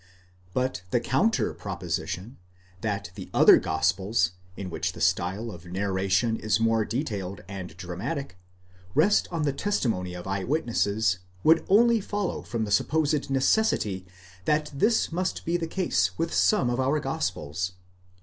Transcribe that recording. But the counter proposition, that the other gospels, in which the style of narration is more detailed and dramatic, rest on the testimony of eye witnesses, would only follow from the supposed necessity that this must be the case with some of our gospels.